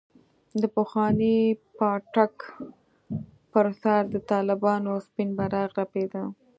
د پخواني پاټک پر سر د طالبانو سپين بيرغ رپېده.